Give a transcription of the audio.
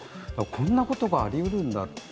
こんなことがありうるんだって。